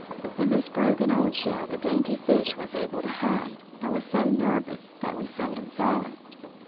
In this broken old shell the dainty fish was able to hide, and was so nervous that we seldom saw it.